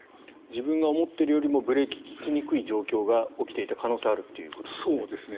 自分が思っているよりもブレーキが利きにくい状況が起きていた可能性があるということですね。